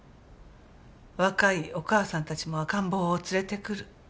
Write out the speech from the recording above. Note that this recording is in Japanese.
若いお母さんたちも赤ん坊を連れてくる。